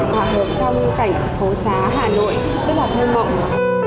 hoặc hợp trong cảnh phố xá hà nội rất là thơ mộng